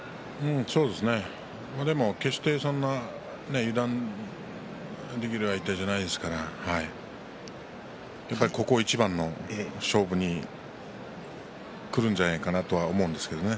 そうですね、でも決してそんな油断できる相手じゃないですからやっぱりここ一番の勝負にくるんじゃないかなとは思うんですけどね